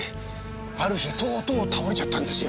ある日とうとう倒れちゃったんですよ。